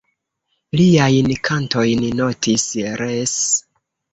Liajn kantojn notis, res.